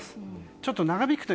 ちょっと長引くと。